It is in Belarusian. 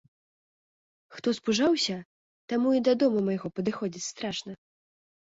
Хто спужаўся, таму і да дому майго падыходзіць страшна.